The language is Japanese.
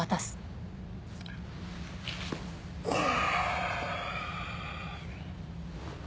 ああ。